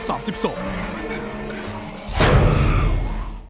โปรดติดตามตอนต่อไป